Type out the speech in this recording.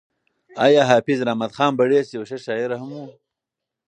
ایا حافظ رحمت خان بړیڅ یو ښه شاعر هم و؟